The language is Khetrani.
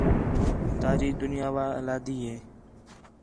تاجی دُنیا وا علاحدی ہِے